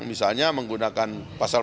misalnya menggunakan pasar perusahaan